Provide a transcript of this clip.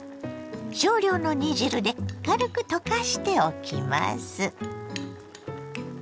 少量の煮汁で軽く溶かしておきます。